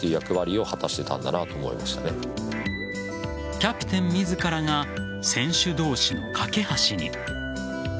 キャプテン自らが選手同士の懸け橋に。